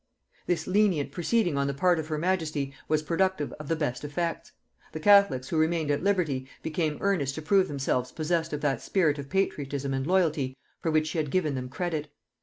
This lenient proceeding on the part of her majesty was productive of the best effects; the catholics who remained at liberty became earnest to prove themselves possessed of that spirit of patriotism and loyalty for which she had given them credit.